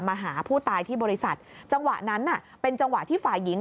หาผู้ตายที่บริษัทจังหวะนั้นน่ะเป็นจังหวะที่ฝ่ายหญิง